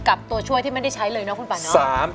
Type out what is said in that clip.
ตัวช่วยที่ไม่ได้ใช้เลยนะคุณป่าเนาะ